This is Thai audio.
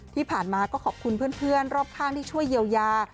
ที่ผ่านมาก็ขอบคุณเพื่อนรอบข้างที่ช่วยเยียวยา